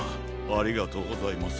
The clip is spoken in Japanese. ありがとうございます。